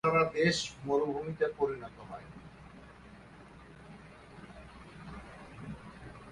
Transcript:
গাছ ছাড়া দেশ মরুভুমিতে পরিণত হয়।